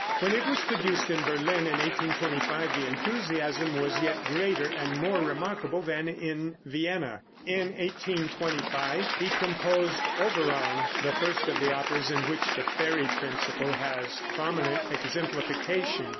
When it was produced in Berlin in 1825, the enthusiasm was yet greater and more remarkable than in Vienna. In 1825 he composed "Oberon," the first of the operas in which the fairy principle has prominent exemplification.